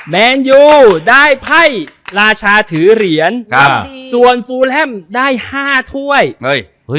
แมนยูได้ไพ่ราชาถือเหรียญครับส่วนฟูแลมได้ห้าถ้วยเฮ้ยเฮ้ย